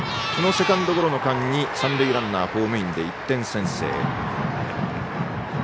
このセカンドゴロの間に三塁ランナーホームインで１点先制。